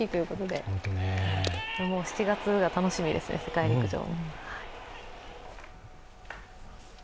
でも７月が楽しみですね、世界陸上。